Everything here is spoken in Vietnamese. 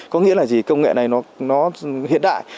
có nghĩa là gì công nghệ này nó hiện đại